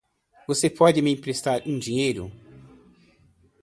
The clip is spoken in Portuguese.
Você pode me emprestar um dinheiro?